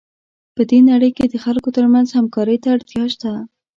په دې نړۍ کې د خلکو ترمنځ همکارۍ ته اړتیا شته.